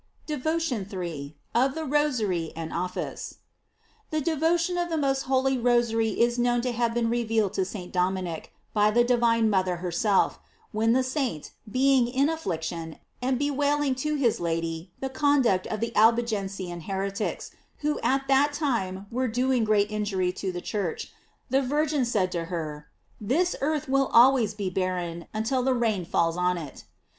DEVOTION III. OF THE ROSAKY AND OFFICE. THE devotion of the most holy Rosary is known to have been revealed to St. Dominic by the divine mother herself, when the saint, being in affliction, and bewailing to his Lady the conduct of the Albigensian heretics, who at that time were doing great injury to the Church, the Virgin said to her: "This earth will always be barren, until the rain falls on it."